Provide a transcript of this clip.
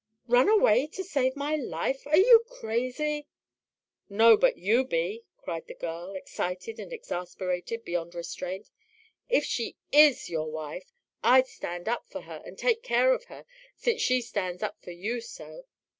"Run away to save my life? Are you crazy?" "No, but you be," cried the girl, excited and exasperated beyond restraint. "If she IS your wife I'd stand up for her and take care of her, since she stands up for you so.